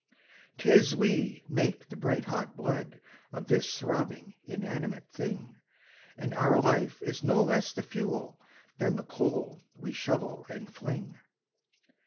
"'Tis we make the bright hot blood Of this throbbing inanimate thing; And our life is no less the fuel Than the coal we shovel and fling.